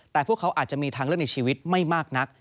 แต่พวกเขาอาจจะมีทางเลือกในชีวิตไม่มากนัก